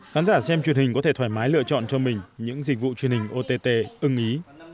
khán giả xem truyền hình có thể thoải mái lựa chọn cho mình những dịch vụ truyền hình ott ưng ý